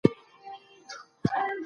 پراختیا د هر تشبث هیله ده.